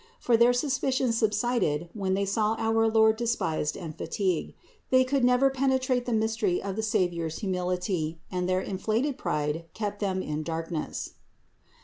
For their suspicions subsided when they saw our Lord despised and fatigued : they could never penetrate the mystery of the Savior's humility and their inflated pride kept them in darkness.